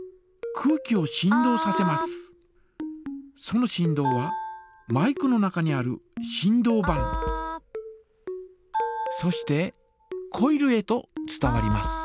その振動はマイクの中にある振動板そしてコイルへと伝わります。